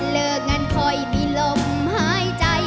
เลิกกันค่อยมีลมหายใจ